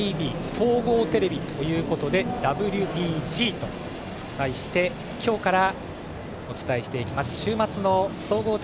総合テレビということで「ＷＢＧ」と題して今日からお伝えしていきます。